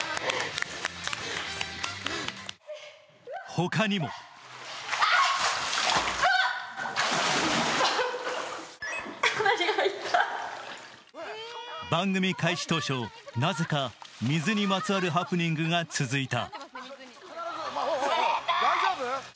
他にも番組開始当初、なぜか水にまつわるハプニングが続いた。